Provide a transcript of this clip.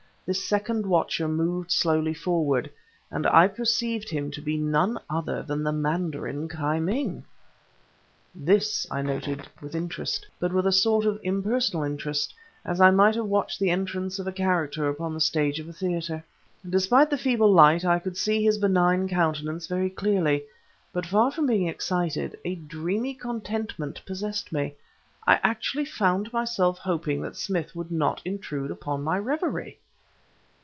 This second watcher moved slowly forward, and I perceived him to be none other than the mandarin Ki Ming. This I noted with interest, but with a sort of impersonal interest, as I might have watched the entrance of a character upon the stage of a theater. Despite the feeble light, I could see his benign countenance very clearly; but, far from being excited, a dreamy contentment possessed me; I actually found myself hoping that Smith would not intrude upon my reverie!